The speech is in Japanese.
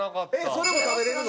それも食べれるの？